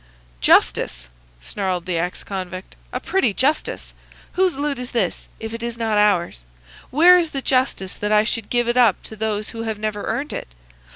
"Justice!" snarled the ex convict. "A pretty justice! Whose loot is this, if it is not ours? Where is the justice that I should give it up to those who have never earned it?